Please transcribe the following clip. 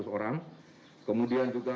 empat ratus orang kemudian juga